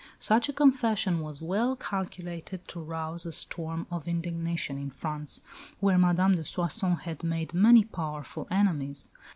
Such a confession was well calculated to rouse a storm of indignation in France, where Madame de Soissons had made many powerful enemies.